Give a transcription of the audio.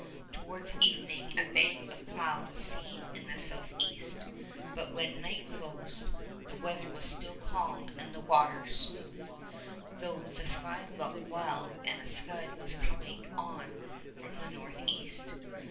Towards evening a bank of cloud was seen in the south east, but when night closed the weather was still calm and the water smooth, though the sky looked wild and a scud was coming on from the north east.